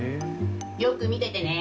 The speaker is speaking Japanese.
よく見ててね。